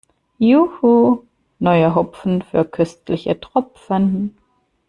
Juhu, neuer Hopfen für köstliche Tropfen!